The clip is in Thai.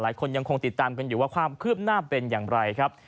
ยังคงติดตามกันอยู่ว่าความคืบหน้าเป็นอย่างไรครับ